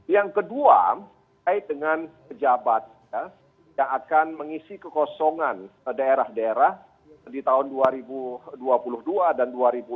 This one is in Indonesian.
yang kedua kait dengan pejabat yang akan mengisi kekosongan daerah daerah di tahun dua ribu dua puluh dua dan dua ribu dua puluh